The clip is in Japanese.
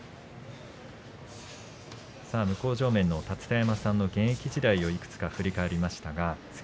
向正面の立田山さんの現役時代をいくつか振り返りました。